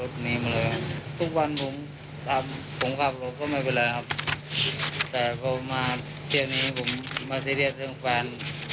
แต่พอมาเที่ยวนี้ผมมาซีเรียสเรื่องแฟน